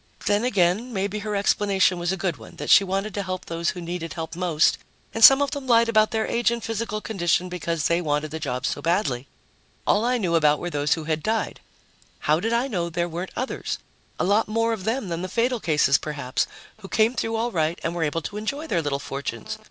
Then again, maybe her explanation was a good one, that she wanted to help those who needed help most and some of them lied about their age and physical condition because they wanted the jobs so badly. All I knew about were those who had died. How did I know there weren't others a lot more of them than the fatal cases, perhaps who came through all right and were able to enjoy their little fortunes?